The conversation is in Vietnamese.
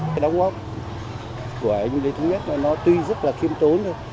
cái đóng góp của anh lê thống nhất là nó tuy rất là khiêm tốn thôi